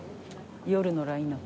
夜のラインアップ。